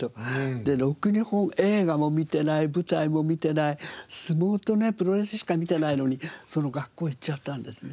でもろくに映画も観てない舞台も観てない相撲とねプロレスしか観てないのにその学校行っちゃったんですね。